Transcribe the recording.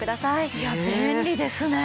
いや便利ですね。